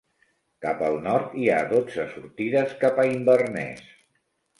Cap al nord hi ha dotze sortides cap a Inverness.